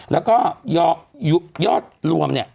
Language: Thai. แล้วก็ยอดรวมเนี่ย